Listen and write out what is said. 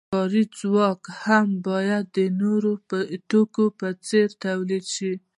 کاري ځواک هم باید د نورو توکو په څیر تولید شي.